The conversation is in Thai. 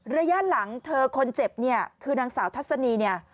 ระยะหลังเธอคนเจ็บเนี่ยคือนางสาวทัศนีเนี่ย